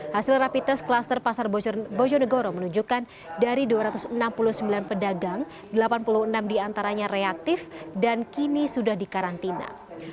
hasil rapi tes kluster pasar bojonegoro menunjukkan dari dua ratus enam puluh sembilan pedagang delapan puluh enam diantaranya reaktif dan kini sudah dikarantina